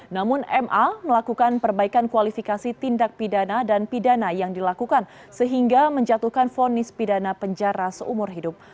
namun ma melakukan perbaikan kualifikasi tindak pidana dan pidana yang dilakukan sehingga menjatuhkan fonis pidana penjara seumur hidup